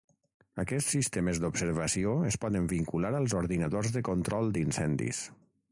Aquests sistemes d'observació es poden vincular als ordinadors de control d'incendis.